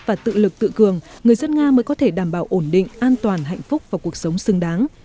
và tự lực tự cường người dân nga mới có thể đảm bảo ổn định an toàn hạnh phúc và cuộc sống xứng đáng